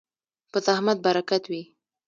په زحمت برکت وي.